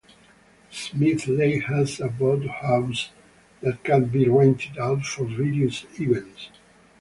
Smith Lake has a boathouse that can be rented out for various events.